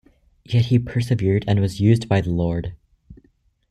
Yet he persevered and was used by the Lord.